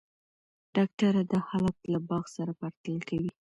ډاکټره دا حالت له باغ سره پرتله کوي.